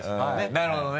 なるほどね。